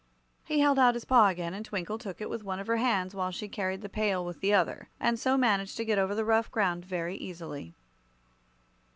He held out his paw again, and Twinkle took it with one of her hands while she carried the pail with the other, and so managed to get over the rough ground very easily.